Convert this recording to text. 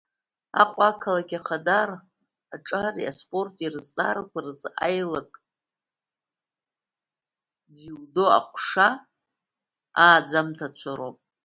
Аҟәа ақалақь Ахадара аҿари аспорти рызҵаарақәа рзы Аилак дзиудо аҟәша ааӡамҭацәа роуп.